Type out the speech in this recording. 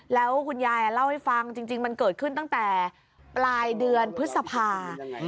แล้วคุณยายเล่าให้ฟังจริงมันเกิดขึ้นตั้งแต่ปลายเดือนพฤษภา